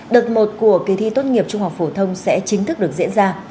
đợt một của kỳ thi tốt nghiệp trung học phổ thông sẽ chính thức được diễn ra